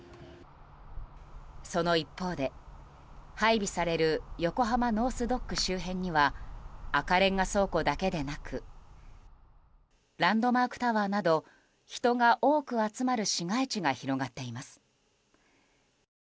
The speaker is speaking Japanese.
その一方で、配備される横浜ノース・ドック周辺には赤レンガ倉庫だけでなくランドマークタワーなど人が多く集まる市街地が広がっています。